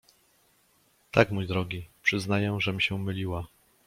— Tak, mój drogi, przyznaję, żem się myliła.